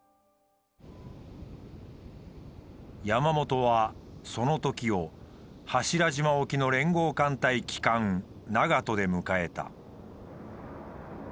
山本はその時を柱島沖の連合艦隊旗艦「長門」で迎えた。